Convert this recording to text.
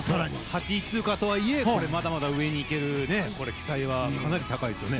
８位通過とはいえまだまだ上に行ける期待はかなり高いですよね。